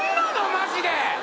マジで。